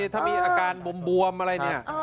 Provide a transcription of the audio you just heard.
ถ้ามีอาการบวมอะไรเนี่ย